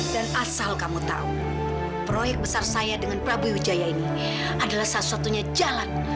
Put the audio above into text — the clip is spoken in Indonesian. dan asal kamu tahu proyek besar saya dengan prabu wijaya ini adalah satu satunya jalan